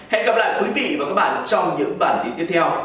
hẹn gặp lại quý vị và các bạn trong những bản tin tiếp theo